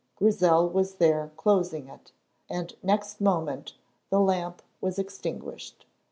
Grizel was there closing it, and next moment the lamp was extinguished.